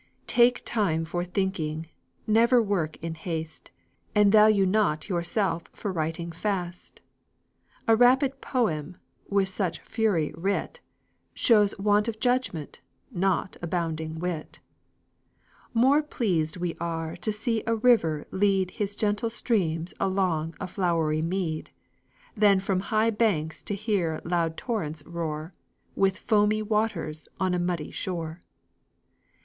Take time for thinking; never work in haste; And value not yourself for writing fast; A rapid poem, with such fury writ, Shows want of judgment, not abounding wit. More pleased we are to see a river lead His gentle streams along a flowery mead, Than from high banks to hear loud torrents roar, With foamy waters, on a muddy shore.